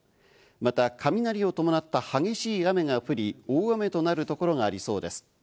また雷を伴った激しい雨が降り大雨となるところがありそうです。